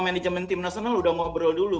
manajemen tim nasional udah ngobrol dulu